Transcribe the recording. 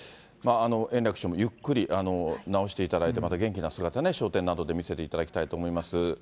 円楽師匠もゆっくり治していただいて、また元気な姿、笑点などで見せていただきたいと思います。